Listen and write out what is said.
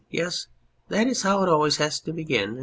. Yes, that is how it always has to begin.